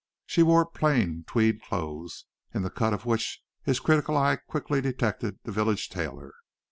She wore plain tweed clothes, in the cut of which his critical eye quickly detected the village tailor.